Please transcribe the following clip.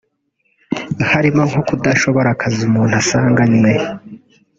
harimo nko kudashobora akazi umuntu asanganywe